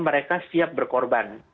mereka siap berkorban